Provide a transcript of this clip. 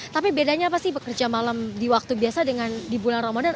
tapi bedanya apa sih bekerja malam di waktu biasa dengan di bulan ramadan